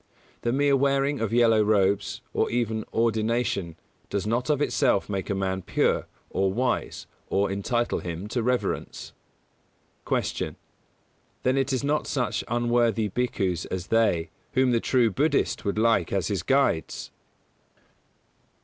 The mere wearing of yellow robes, or even ordination, does not of itself make a man pure or wise or entitle him to reverence. 152. Q. _Then it is not such unworthy bhikkhus as they, whom the true Buddhist would lake as his guides?